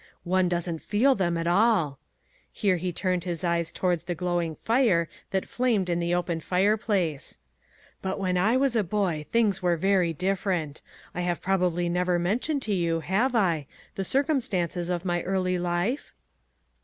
One doesn't feel them at all," here he turned his eyes towards the glowing fire that flamed in the open fireplace. "But when I was a boy things were very different. I have probably never mentioned to you, have I, the circumstances of my early life?"